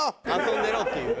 遊んでろっていう？